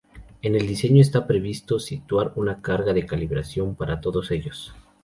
En el diseño está previsto situar una carga de calibración para todos ellos.